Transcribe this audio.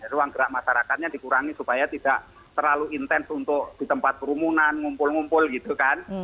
ruang gerak masyarakatnya dikurangi supaya tidak terlalu intens untuk di tempat perumunan ngumpul ngumpul gitu kan